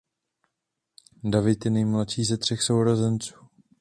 David je nejmladší ze třech sourozenců.